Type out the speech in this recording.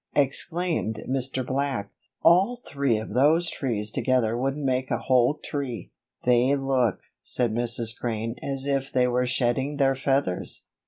exclaimed Mr. Black, "all three of those trees together wouldn't make a whole tree." "They look," said Mrs. Crane, "as if they were shedding their feathers."